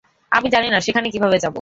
আমি জানি না সেখানে কীভাবে যাব।